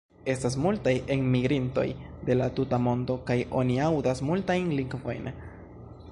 Estas multaj enmigrintoj de la tuta mondo, kaj oni aŭdas multajn lingvojn.